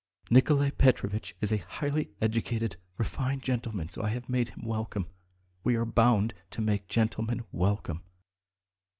Nikolay Petrovitch is a highly educated, refined gentleman, so I've made him welcome. We are bound to make gentlemen welcome."